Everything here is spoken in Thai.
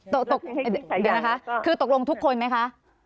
ตกตกเดี๋ยวนะคะคือตกลงทุกคนไหมคะ